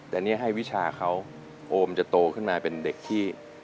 แต่นี่ให้วิชาเขาโอมจะโตขึ้นมาเป็นเด็กที่